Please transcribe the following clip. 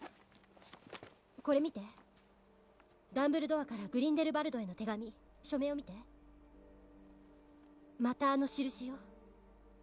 これ見てダンブルドアからグリンデルバルドへの手紙署名を見てまたあの印よ